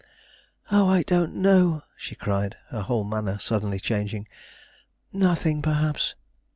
"Oh, I don't know," she cried, her whole manner suddenly changing; "nothing, perhaps."